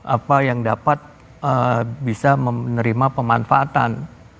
apa yang dapat bisa menerima pemanfaatan